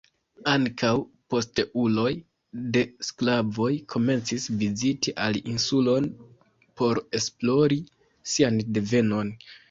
Ankaŭ posteuloj de sklavoj komencis viziti al insulon por esplori sian devenon.